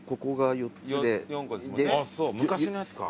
昔のやつか。